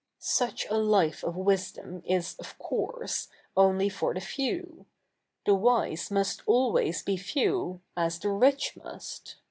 ' Such a life of wisdo7n is, of course, only for the few. The wise 77iust always be few, as the rich 7nust.